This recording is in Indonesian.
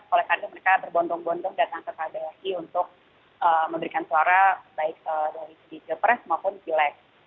oleh karena mereka terbontong bontong datang ke kbri untuk memberikan suara baik dari segi jepres maupun kilek